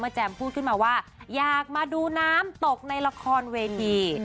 อาจารย์แจมบอกว่าอยากมาดูน้ำตกในละครเวที